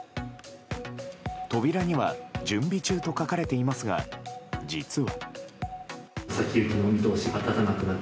扉には準備中と書かれていますが、実は。